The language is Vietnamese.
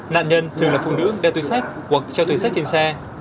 nạn nhân thường là phụ nữ đeo tuyên sách hoặc treo tuyên sách trên xe